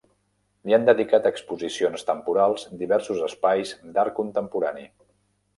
Li han dedicat exposicions temporals diversos espais d'art contemporani.